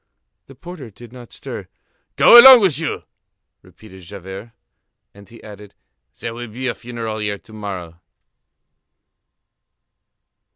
The porter did not stir. "Go along with you!" repeated Javert. And he added: "There will be a funeral here to morrow."